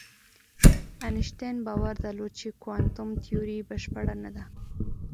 انشتین باور درلود چې کوانتم تیوري بشپړه نه ده.